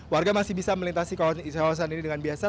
warga masih bisa melintasi kawasan ini dengan biasa